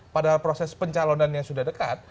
padahal proses pencalonannya sudah dekat